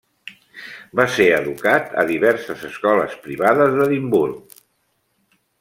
Va ser educat a diverses escoles privades d’Edimburg.